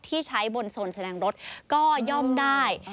ที่ใช้บนโซนแสดงรถก็ย่อมได้